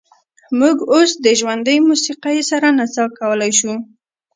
موږ اوس د ژوندۍ موسیقۍ سره نڅا کولی شو